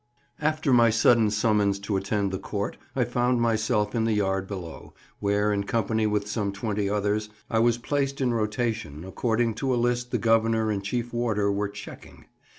AFTER my sudden summons to attend the Court I found myself in the yard below, where, in company with some twenty others, I was placed in rotation according to a list the Governor and chief warder were "checking."